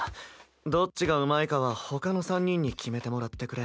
どっちがうまいかはほかの３人に決めてもらってくれ。